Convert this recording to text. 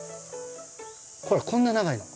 ほらこんな長いの。